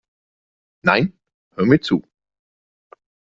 Nein, hör mir zu!